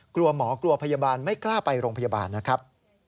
กลัวหมอกลัวพยาบาลไม่กล้าไปโรงพยาบาลนะครับ